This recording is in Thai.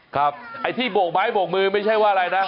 ไอ้ที่โบกไม้โบกมือไม่ใช่ว่าอะไรนะ